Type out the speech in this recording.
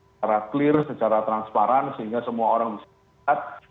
secara clear secara transparan sehingga semua orang bisa melihat